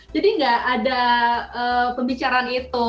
jadi nggak ada pembicaraan itu